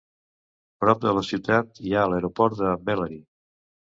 Prop de la ciutat hi ha l'aeroport de Bellary.